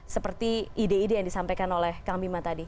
seperti ide ide yang disampaikan oleh kang bima tadi